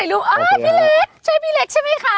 อ๋อถ่ายรูปอ้าวพี่เล็กใช่พี่เล็กใช่มั้ยคะ